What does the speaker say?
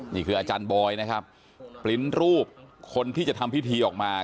นี่คืออาจารย์บอยนะครับปริ้นต์รูปคนที่จะทำพิธีออกมา